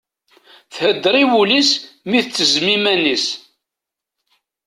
Thedder i wul-is mi tettezzem iman-is.